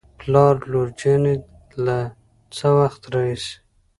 پلار : لور جانې له څه وخت راهېسې